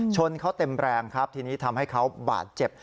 ชนเขาเต็มแรงครับทีนี้ทำให้เขาบาดเจ็บ